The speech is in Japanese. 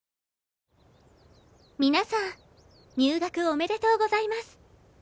皆さん入学おめでとうございます。